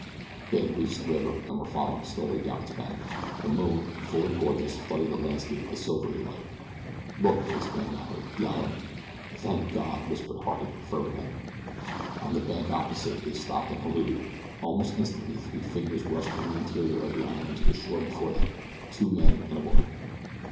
They had reached the river and were following slowly down its bank. The moon, full and gorgeous, flooded the landscape with silvery light. "Look!" exclaimed Mallory. "The island!" "Thank God!" whispered Harding, fervently. On the bank opposite they stopped and hallooed. Almost instantly three figures rushed from the interior of the island to the shore before them two men and a woman.